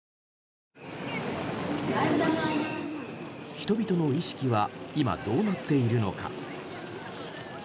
人々の意識は今、どうなっているのか。